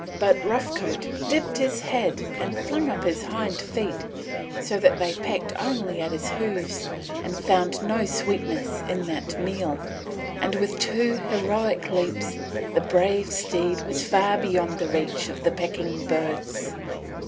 But Rough Coat dipped his head and flung up his hind feet so that they pecked only at his hoofs and found no sweetness in that meal; and with two heroic leaps the brave steed was far beyond the reach of the pecking birds.